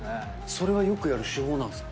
それはよくやる手法なんですか？